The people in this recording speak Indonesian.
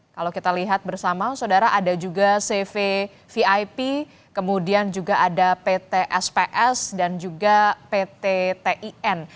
kalau kita lihat bersama saudara ada juga cv vip kemudian juga ada pt sps dan juga pt tin